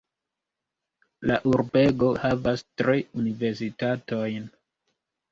La urbego havas tri universitatojn.